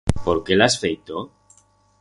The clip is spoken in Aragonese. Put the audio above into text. Por qué l'has feito?